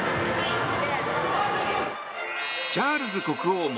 チャールズ国王も